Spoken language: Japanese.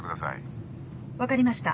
分かりました。